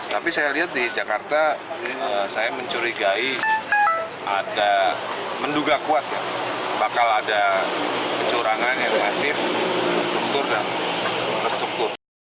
tapi saya lihat di jakarta saya mencurigai menduga kuat ya bakal ada kecurangan yang masif terstruktur dan berstruktur